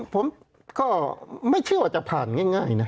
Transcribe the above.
ผมก็ไม่เชื่อว่าจะผ่านง่ายนะ